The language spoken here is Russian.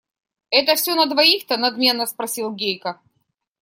Это все на двоих-то? – надменно спросил Гейка.